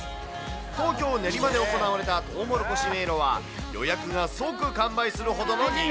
東京・練馬で行われたとうもろこし迷路は、予約が即完売するほどの人気。